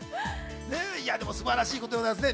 素晴らしいことでございますね。